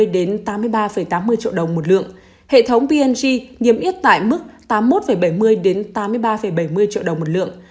đến tám mươi ba tám mươi triệu đồng một lượng hệ thống p g nghiêm yết tại mức tám mươi một bảy mươi đến tám mươi ba bảy mươi triệu đồng một lượng